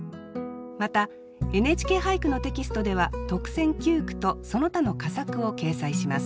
また「ＮＨＫ俳句」のテキストでは特選九句とその他の佳作を掲載します。